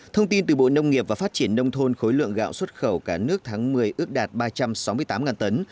thông tin từ bộ nông nghiệp và phát triển nông thôn khối lượng gạo xuất khẩu cả nước tháng một mươi ước đạt ba trăm sáu mươi tám tấn